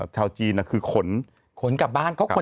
ชาวจีนคือขน๒กลับบ้านกลับละหัน